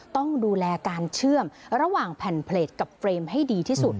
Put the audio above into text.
ต้องดูแลการเชื่อมระหว่างแผ่นเพลตกับเฟรมให้ดีที่สุด